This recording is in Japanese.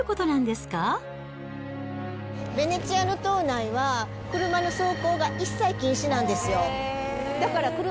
ヴェネツィアの島内は、車の走行が一切禁止なんですよ。